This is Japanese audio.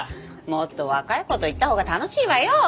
もっと若い子と行ったほうが楽しいわよ。